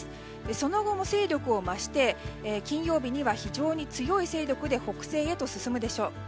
その後も勢力を増して金曜日には非常に強い勢力で北西に進むでしょう。